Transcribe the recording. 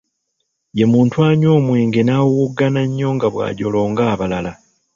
Ye muntu anywa omwenge n'awowoggana nnyo nga bwajolonga abalala.